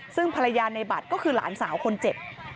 ซึ่งภรรยาในบัตรก็คือหลานสาวคนเจ็บ